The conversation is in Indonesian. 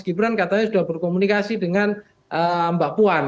gibran katanya sudah berkomunikasi dengan mbak puan